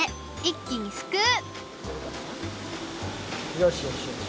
よしよしよし。